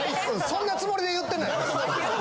そんなつもりで言ってないです。